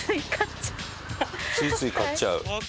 ついつい買っちゃう？